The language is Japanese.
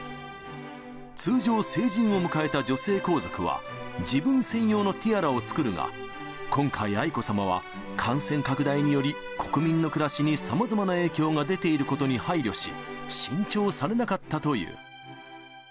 通常、成人を迎えた女性皇族は、自分専用のティアラを作るが、今回、愛子さまは、感染拡大により国民の暮らしにさまざまな影響が出ていることに配慮し、新調されなかったという。